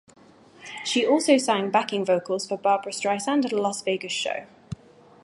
She also sang backing vocals for Barbra Streisand at a Las Vegas show.